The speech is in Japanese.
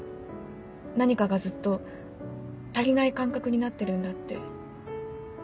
何かがずっと足りない感覚になってるんだって。